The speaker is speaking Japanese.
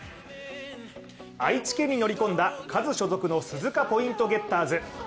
愛知県に乗り込んだカズ所属の鈴鹿ポイントゲッターズ。